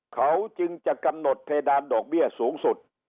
เขาจึงจะกำหนดเพดานดอกเบี้ยสูงสุด